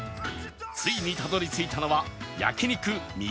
ついにたどり着いたのは